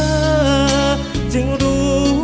สวัสดีครับ